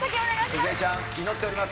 鈴江ちゃん、祈っております。